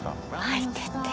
相手って。